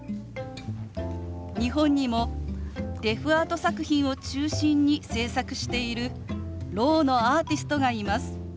日本にもデフアート作品を中心に制作しているろうのアーティストがいます。